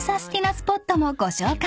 スポットもご紹介］